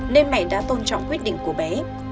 nên mẹ đã tôn trọng quyết định của bé